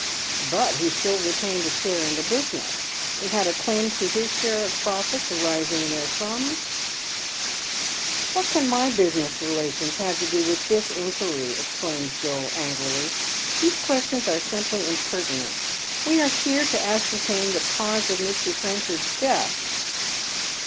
*' But he still retained a share in the business, and had a claim to his share of profits arising therefrom ?" "What can my business relations have to do with this inquirj^? " exclaims Joel, angrily. " These questions are simply impertinent. We are here to ascertain the cause of Mr.'^Trenchard's death